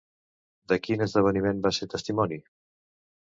De quin esdeveniment va ser testimoni?